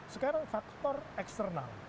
sekarang faktor eksternal